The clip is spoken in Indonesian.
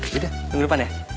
yaudah minggu depan ya